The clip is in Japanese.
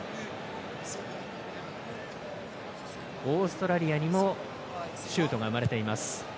オーストラリアにもシュートが生まれています。